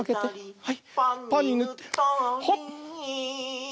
はい。